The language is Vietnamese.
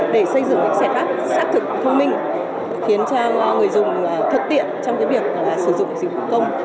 để xây dựng những giải pháp xác thực thông minh khiến cho người dùng thuận tiện trong việc sử dụng dịch vụ công